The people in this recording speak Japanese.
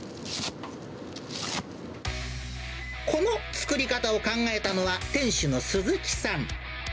この作り方を考えたのは、店主の鈴木さん。